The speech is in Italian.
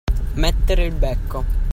Mettere il becco.